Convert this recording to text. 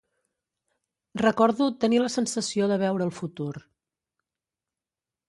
Recordo tenir la sensació de veure el futur.